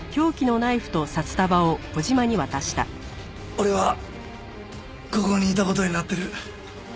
俺はここにいた事になってる。